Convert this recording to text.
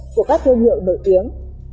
của các tiêu hiệu nổi tiếng